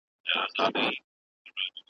عابده څۀ کۀ پۀ وطن سپرلے دے